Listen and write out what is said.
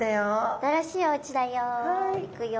新しいおうちだよ。いくよ。